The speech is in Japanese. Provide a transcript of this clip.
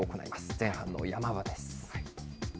前半のヤマ場です。